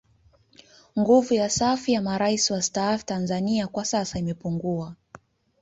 Nguvu ya safu ya Marais wastaafu Tanzania kwa sasa imepungua